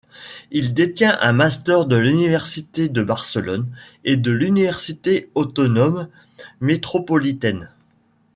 Il détient un Master de l'Université de Barcelone et de l'Université autonome métropolitaine.